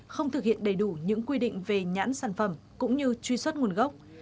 không thực hiện đầy đủ những quy định về nhãn sản phẩm cũng như truy xuất nguồn gốc